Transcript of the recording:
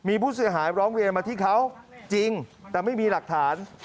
มีผู้เสียหายร้องเรียนมาที่เขาจริงแต่ไม่มีหลักฐาน